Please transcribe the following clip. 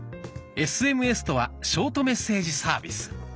ＳＭＳとはショートメッセージサービス。